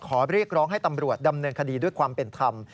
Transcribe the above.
เรียกร้องให้ตำรวจดำเนินคดีด้วยความเป็นธรรม